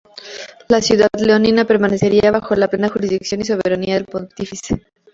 La ciudad leonina permanecería "bajo la plena jurisdicción y soberanía del Pontífice".